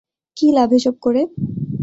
কি লাভ এসব করে?